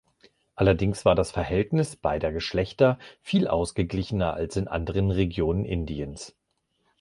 Allerdings war das Verhältnis beider Geschlechter viel ausgeglichener als in anderen Regionen Indiens.